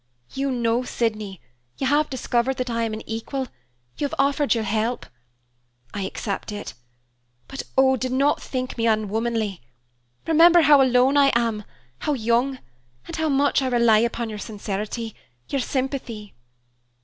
You know Sydney, you have discovered that I am an equal, you have offered your help. I accept it; but oh, do not think me unwomanly! Remember how alone I am, how young, and how much I rely upon your sincerity, your sympathy!"